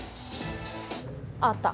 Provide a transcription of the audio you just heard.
ああった。